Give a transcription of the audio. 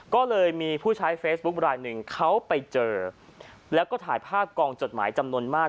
ก็เลยมีผู้ใช้เฟซบุ๊คลายหนึ่งเขาไปเจอแล้วก็ถ่ายภาพกองจดหมายจำนวนมาก